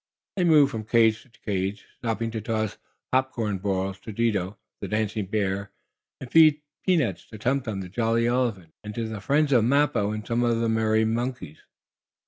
They moved from cage to cage, stopping to toss popcorn balls to Dido, the dancing bear, and feed peanuts to Tum Tum, the jolly elephant, and to the friends of Mappo and some of the other merry monkeys.